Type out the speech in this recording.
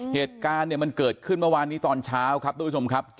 เหตุการณ์เนี่ยมันเกิดขึ้นเมื่อวานนี้ตอนเช้าครับทุกผู้ชมครับ